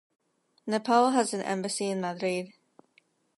Nepal has an embassy in Madrid.